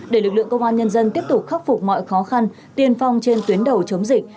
để lực lượng công an nhân dân tiếp tục khắc phục mọi khó khăn tiên phong trên tuyến đầu chống dịch